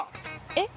えっ？